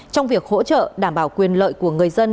trong việc hỗ trợ đảm bảo quyền lợi của người dân